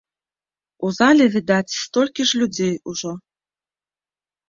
У зале, відаць, столькі ж людзей ужо.